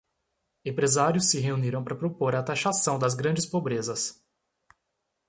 Empresários se reuniram para propor a taxação das grandes pobrezas